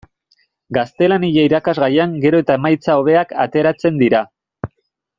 Gaztelania irakasgaian gero eta emaitza hobeak ateratzen dira.